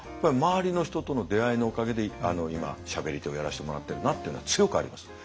周りの人との出会いのおかげで今しゃべり手をやらしてもらってるなっていうのは強くあります。